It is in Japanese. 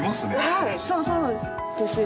はいそうなんです。